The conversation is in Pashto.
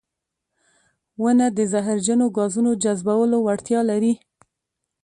• ونه د زهرجنو ګازونو جذبولو وړتیا لري.